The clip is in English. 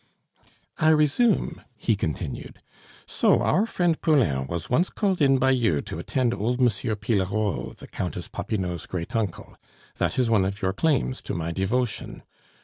"I resume," he continued. "So, our friend Poulain was once called in by you to attend old M. Pillerault, the Countess Popinot's great uncle; that is one of your claims to my devotion.